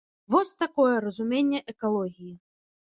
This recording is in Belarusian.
Вось такое разуменне экалогіі.